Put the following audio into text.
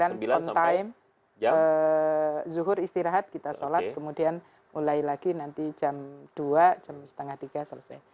kemudian on time zuhur istirahat kita sholat kemudian mulai lagi nanti jam dua jam setengah tiga selesai